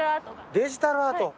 デジタルアート。